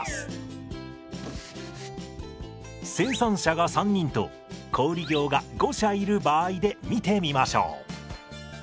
生産者が３人と小売業が５社いる場合で見てみましょう。